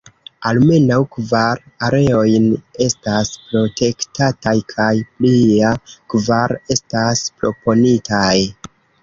Almenaŭ kvar areojn estas protektataj kaj plia kvar estas proponitaj.